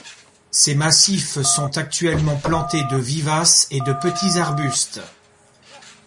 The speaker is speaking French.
Ces massifs sont actuellement plantés de vivaces et de petits arbustes.